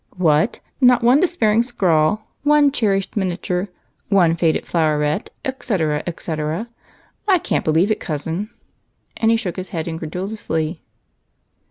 "What, not one despairing scrawl, one cherished miniature, one faded floweret, etc., etc.? I can't believe it, Cousin," and he shook his head incredulously.